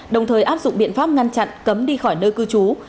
đồng thời áp dụng biện pháp ngăn chặn cấm đi khỏi nơi cư trú